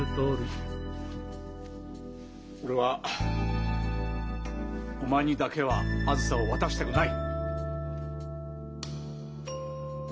俺はお前にだけはあづさを渡したくない！